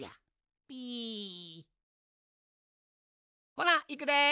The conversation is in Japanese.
ほないくで。